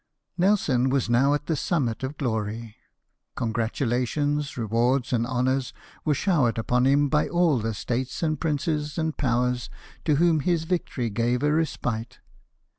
Nelson was now at the summit of glory ; con gratulations, rewards, and honours were showered upon him by all the States and princes and Powers to whom his victory gave a respite.